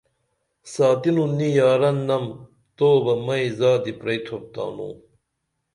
ساتینوں نی یاران نم توبہ مئیں زادی پرئیتُھوپ تانوں